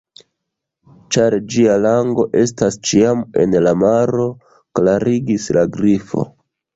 "Ĉar ĝia lango estas ĉiam en la maro," klarigis la Grifo.